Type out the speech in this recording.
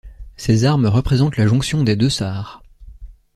Ces armes représentent la jonction des deux Sarres.